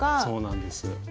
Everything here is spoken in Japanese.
そうなんですよ。